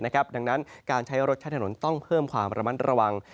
ดังนั้นการใช้รถใช้ถนนต้องเพิ่มความระมัดระวัง